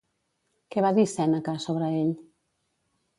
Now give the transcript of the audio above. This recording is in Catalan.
Què va dir Sèneca sobre ell?